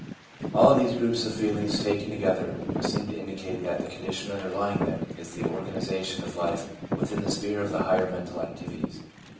f All of these groups of feelings taken together seem ko indicate that the condition underlying them is the organisation of life within the sphere of the higher mental activities.